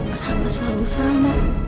kenapa selalu sama